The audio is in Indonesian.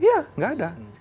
iya tidak ada